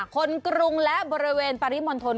คนกรุงและบริเวณปริมนตน